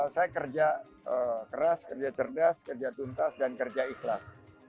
saya kerja keras kerja cerdas kerja tuntas dan kerja ikhlas